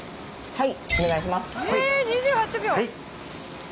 はい。